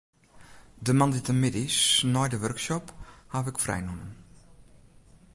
De moandeitemiddeis nei de workshop haw ik frij nommen.